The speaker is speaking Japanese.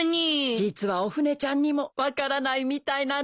実はおフネちゃんにも分からないみたいなの。